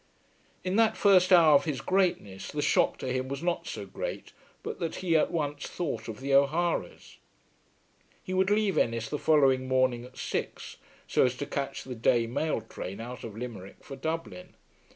In that first hour of his greatness the shock to him was not so great but that he at once thought of the O'Haras. He would leave Ennis the following morning at six, so as to catch the day mail train out of Limerick for Dublin.